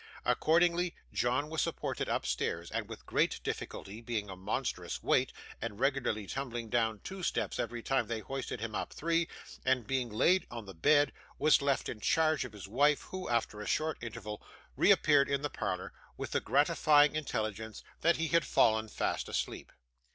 Accordingly, John was supported upstairs, with great difficulty; being a monstrous weight, and regularly tumbling down two steps every time they hoisted him up three; and, being laid on the bed, was left in charge of his wife, who, after a short interval, reappeared in the parlour, with the gratifying intelligence that he had fallen fast asleep.